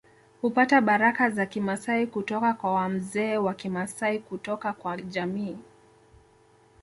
Hupata baraka za Kimasai kutoka kwa wamzee wa Kimasai kutoka kwa jamii